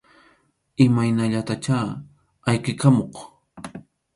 Imaynallatachá ayqikamuq.